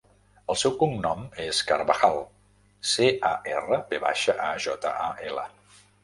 El seu cognom és Carvajal: ce, a, erra, ve baixa, a, jota, a, ela.